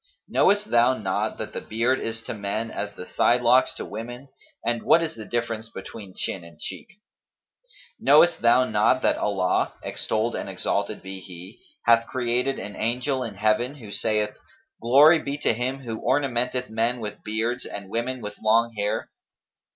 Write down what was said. Knowest thou not that the beard is to men as the sidelocks to women; and what is the difference between chin and cheek?[FN#257] Knowest thou not that Allah (extolled and exalted be He!) hath created an angel in Heaven, who saith: 'Glory be to Him who ornamenteth men with beards and women with long hair?'